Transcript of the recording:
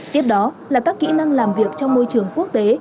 tiếp đó là các kỹ năng làm việc trong môi trường quốc tế